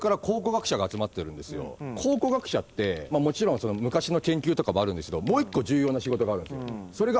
考古学者ってもちろん昔の研究とかもあるんですけどもう一個重要な仕事があるんすよそれが。